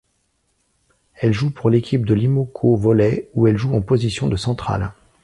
Elle joue pour l'équipe de l'Imoco Volley où elle joue en position de central.